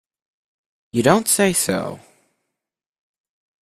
You don't say so!